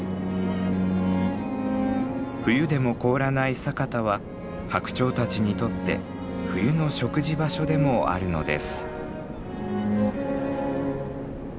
冬でも凍らない佐潟はハクチョウたちにとって冬の食事場所でもあるのです。